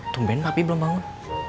tumben tapi belum bangun